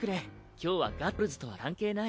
今日はガットルズとは関係ない。